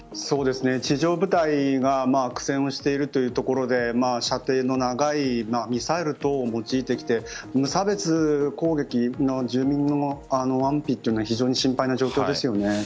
地上部隊が苦戦をしているというところで射程の長いミサイル等を用いてきて無差別攻撃の住民の安否というのは非常に心配な状況ですよね。